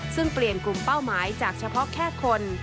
ซึ่งเปลี่ยนกลุ่มเป้าหมายจากเฉพาะแค่คน